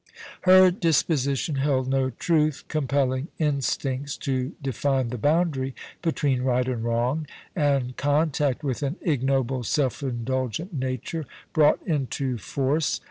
Her disposition held no truth compelling instincts to define the boundary between right and wrong, and con tact with an ignoble, self indulgent nature brought into force 4 so POLICY AND PASSION.